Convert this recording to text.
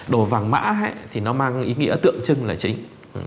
đồ vàng mã thì nó mang ý nghĩa tượng trưng là chính